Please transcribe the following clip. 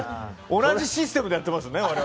同じシステムでやってますね我々。